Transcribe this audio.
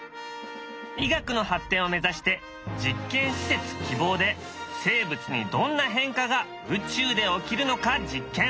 医学の発展を目指して実験施設「きぼう」で生物にどんな変化が宇宙で起きるのか実験。